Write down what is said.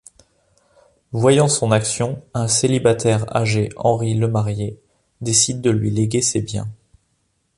Voyant son action, un célibataire âgé, Henri Lemarié, décide de lui léguer ses biens.